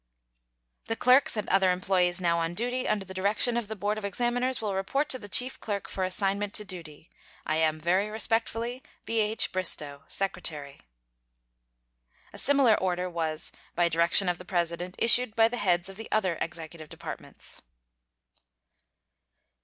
The clerks and other employees now on duty under the direction of the board of examiners will report to the chief clerk for assignment to duty. I am, very respectfully, B.H. BRISTOW, Secretary. [A similar order was, by direction of the President, issued by the heads of the other Executive Departments.